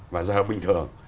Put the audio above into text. và giờ bình thường